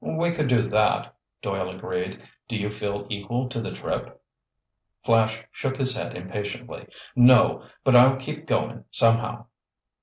"We could do that," Doyle agreed. "Do you feel equal to the trip?" Flash shook his head impatiently. "No, but I'll keep going somehow."